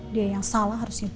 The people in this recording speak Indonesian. dia yang salah